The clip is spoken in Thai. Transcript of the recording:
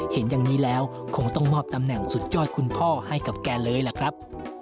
เห็นอย่างนี้แล้วคงต้องมอบตำแหน่งสุดยอดคุณพ่อให้กับแกเลยล่ะครับ